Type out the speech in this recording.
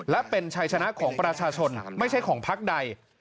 และเป็นชัยชนะของประชาชนไม่ใช่ของพักใด